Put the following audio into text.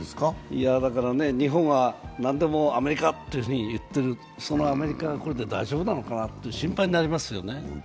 いや、だから日本はなんでもアメリカというふうに言っているそのアメリカは大丈夫なのかなと心配になりますよね。